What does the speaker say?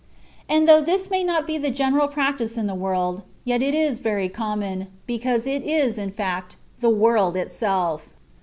And though this mr y not be the general practice in the world, yet it is very common, because it is, in fact, the world itself.